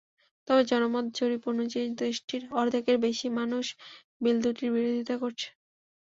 তবে জনমত জরিপ অনুযায়ী, দেশটির অর্ধেকের বেশি মানুষ বিল দুটির বিরোধিতা করছে।